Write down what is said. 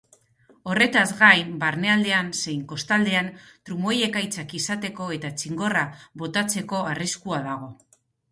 Horretaz gain, barnealdean zein kostaldean trumoi-ekaitzak izateko eta txingorra botatzeko arriskua dago.